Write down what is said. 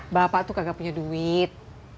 bapak tuh kagak punya duit